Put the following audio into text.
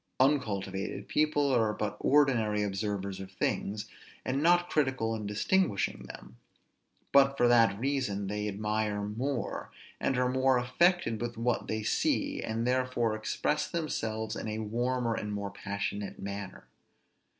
Uncultivated people are but ordinary observers of things, and not critical in distinguishing them; but, for that reason they admire more, and are more affected with what they see, and therefore express themselves in a warmer and more passionate manner.